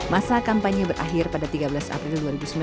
masa kampanye berakhir pada tiga belas april dua ribu sembilan belas